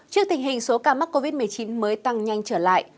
trước tình hình số ca mắc covid một mươi chín mới tăng nhanh trở lại